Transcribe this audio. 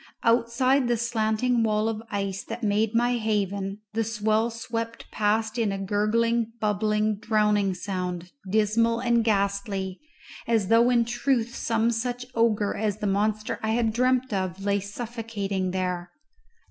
Outside the slanting wall of ice that made my haven the swell swept past in a gurgling, bubbling, drowning sound, dismal and ghastly, as though in truth some such ogre as the monster I had dreamt of lay suffocating there.